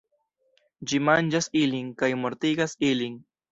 Ĝi manĝas ilin, kaj mortigas ilin.